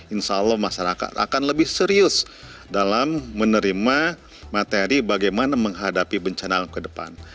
insya allah masyarakat akan lebih serius dalam menerima materi bagaimana menghadapi bencana ke depan